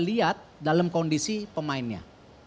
lihat dalam kondisi pemainnya